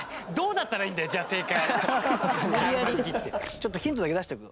ちょっとヒントだけ出しておく？